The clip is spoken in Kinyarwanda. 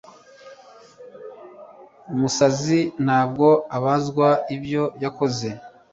Umusazi ntabwo abazwa ibyo yakoze